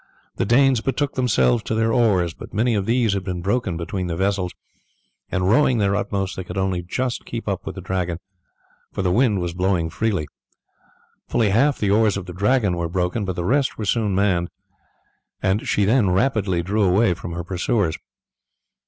The Danes betook themselves to their oars, but many of these had been broken between the vessels, and rowing their utmost they could only just keep up with the Dragon, for the wind was blowing freely. Fully half the oars of the Dragon were broken, but the rest were soon manned, and she then rapidly drew away from her pursuers.